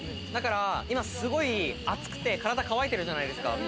だから今すごい暑くて、体がかわいてるじゃないですか。